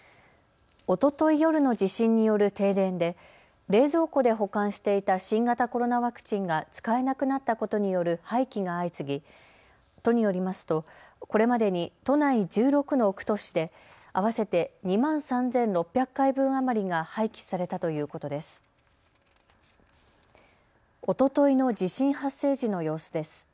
おととい夜の地震による停電で冷蔵庫で保管していた新型コロナワクチンが使えなくなったことによる廃棄が相次ぎ都によりますとこれまでに都内１６の区と市で合わせて２万３６００回分余りが廃棄されたということです。